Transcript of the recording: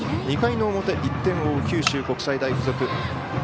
２回の表、１点を追う九州国際大付属。